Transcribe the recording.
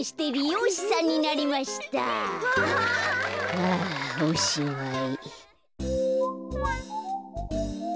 はあおしまい。